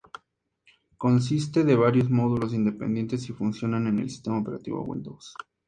Consiste de varios módulos independientes y funcionan en el sistema operativo Windows.